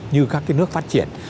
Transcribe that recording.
như các nước phát triển